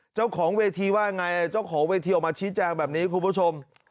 เจ้าของเวทีว่าไงเจ้าของเวทีออกมาชี้แจงแบบนี้คุณผู้ชม